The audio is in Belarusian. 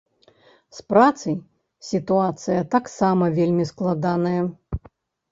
З працай сітуацыя таксама вельмі складаная.